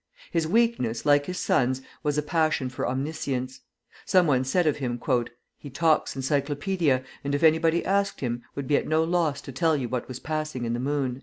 His weakness, like his son's, was a passion for omniscience. Some one said of him: "He talks encyclopedia, and if anybody asked him, would be at no loss to tell you what was passing in the moon."